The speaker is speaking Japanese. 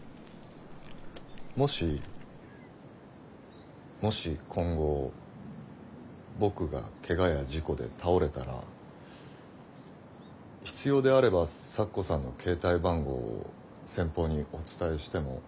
もしもし今後僕がケガや事故で倒れたら必要であれば咲子さんの携帯番号を先方にお伝えしても。